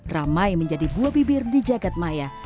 ramai menjadi buah bibir di jagad maya